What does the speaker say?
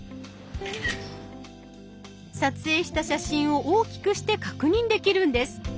撮影した写真を大きくして確認できるんです。